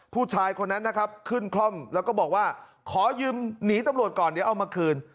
ผู้ชายคนนั้นนะครับขึ้นคล่อมแล้วก็บอกว่าขอยืมหนีตำรวจก่อนเดี๋ยวเอามาคืน